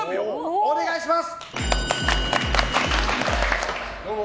お願いします。